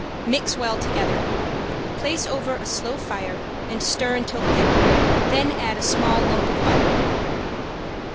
Mix well together. Place over a slow fire and stir until thick, then add a small lump of butter.